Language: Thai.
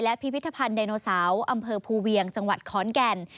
พิพิธภัณฑ์ไดโนเสาร์อำเภอภูเวียงจังหวัดขอนแก่น